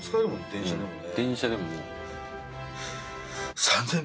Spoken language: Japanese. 電車でもね。